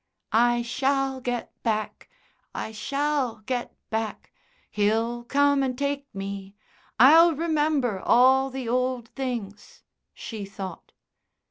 "I shall get back I shall get back.... He'll come and take me; I'll remember all the old things," she thought.